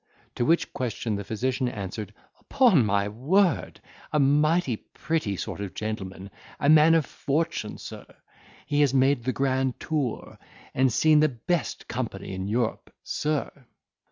To which question the physician answered, "Upon my word, a mighty pretty sort of a gentleman—a man of fortune, sir—he has made the grand tour, and seen the best company in Europe, air."